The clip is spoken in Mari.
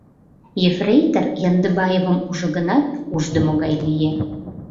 Ефрейтор Яндыбаевым ужо гынат, уждымо гай лие.